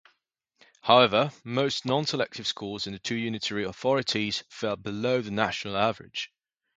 However, most non-selective schools in the two unitary authorities fell below the national average.